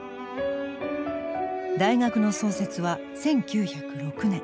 大学の創設は１９０６年。